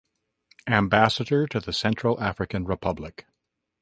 Ambassador to the Central African Republic.